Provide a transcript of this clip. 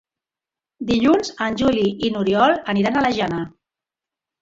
Dilluns en Juli i n'Oriol aniran a la Jana.